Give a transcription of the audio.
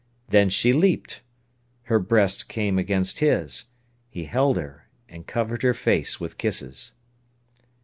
Then she leaped. Her breast came against his; he held her, and covered her face with kisses.